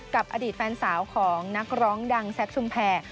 กับอดีตแฟนสาวของนักร้องดังแซคชุมแพร